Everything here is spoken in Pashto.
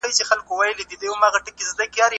د جورج زیمل تعریف په یاد وساتئ.